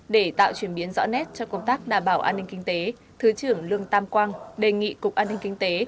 để tạo chuyển biến rõ nét cho công tác đảm bảo an ninh kinh tế thứ trưởng lương tam quang đề nghị cục an ninh kinh tế